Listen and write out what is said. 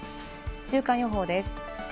週間予報です。